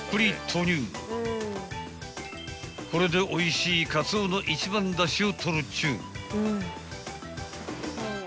［これでおいしいカツオの一番だしを取るっちゅう］